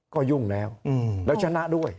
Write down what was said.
ก็ยุ่งแล้วแล้วชนะด้วย